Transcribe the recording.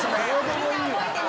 みんな覚えてね。